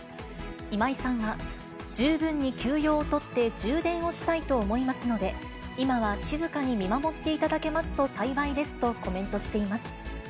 今井さんは、十分に休養を取って充電をしたいと思いますので、今は静かに見守っていただけますと幸いですとコメントしています。